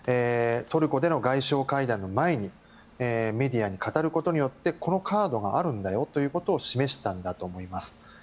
トルコでの外相会談の前にメディアに語ることによってこのカードがあるんだよということを示したんだと思います。